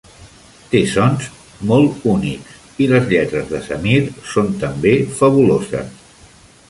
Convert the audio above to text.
Té sons molt únics, i les lletres de Sameer són també fabuloses.